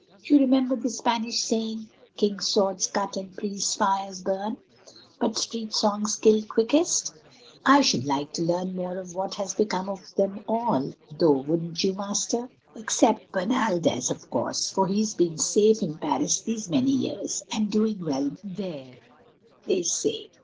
You remember the Spanish saying, 'King's swords cut and priests' fires burn, but street songs kill quickest!' I should like to learn more of what has become of them all, though, wouldn't you, Master? Except Bernaldez, of course, for he's been safe in Paris these many years, and doing well there, they say."